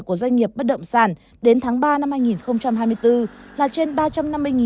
của doanh nghiệp bất động sản đến tháng ba năm hai nghìn hai mươi bốn là trên ba trăm năm mươi tám trăm linh tỷ đồng